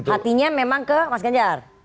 artinya memang ke mas ganjar